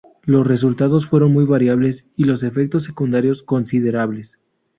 Los resultados fueron muy variables y los efectos secundarios considerables.